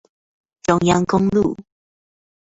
中央公路